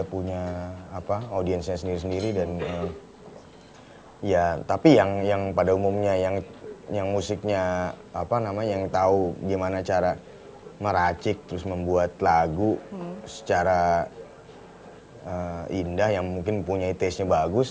punya audiensnya sendiri sendiri dan ya tapi yang pada umumnya yang musiknya apa namanya yang tahu gimana cara meracik terus membuat lagu secara indah yang mungkin punya taste nya bagus